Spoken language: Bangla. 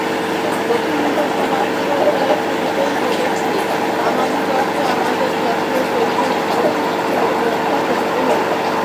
প্রথমত তোমাদিগকে পূর্বেই বলিয়াছি, আমাদিগকে আমাদের জাতীয় বৈশিষ্ট্য রক্ষা করিতে হইবে।